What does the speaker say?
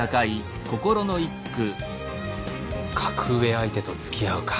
格上相手とつきあうか。